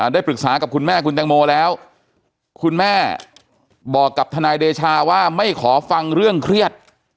ได้ปรึกษากับคุณแม่คุณแตงโมแล้วคุณแม่บอกกับทนายเดชาว่าไม่ขอฟังเรื่องเครียด